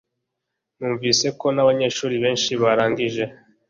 Numvise ko nabanyeshuri benshi barangije